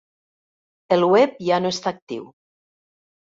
El web ja no està actiu.